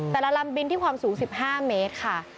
ลำบินที่ความสูง๑๕เมตรค่ะ